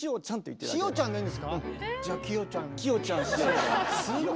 塩ちゃんでいいんですか？